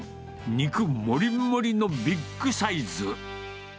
肉もりもりのビッグサイズ。